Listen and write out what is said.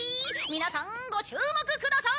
皆さんご注目ください。